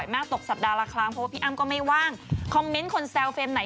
ไม้พระสระเด็กกับมิกล้องละยา